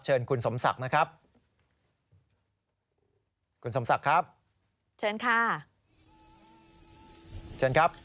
คุณสมศักดิ์นะครับคุณสมศักดิ์ครับเชิญค่ะเชิญครับ